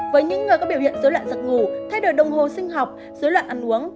với những người có biểu hiện dối loạn giặc ngủ thay đổi đồng hồ sinh học dối loạn ăn uống